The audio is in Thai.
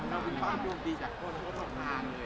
เราคิดว่าคุณดูดีจากคนเพราะว่าทุกคนมากเลย